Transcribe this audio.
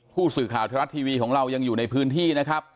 ผู้สื่อข่าวไทยรัฐทีวีของเรายังอยู่ในพื้นที่นะครับ